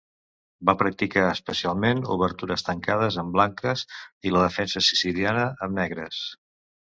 Va practicar especialment Obertures Tancades amb blanques, i la defensa siciliana amb negres.